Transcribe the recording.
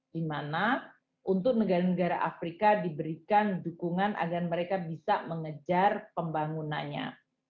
di mana untuk negara negara afrika diberikan dukungan agar mereka bisa mengejar pembangunannya